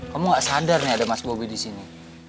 kamu gak sadar nih ada mas bobi di sini